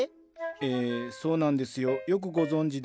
ええそうなんですよ。よくご存じで。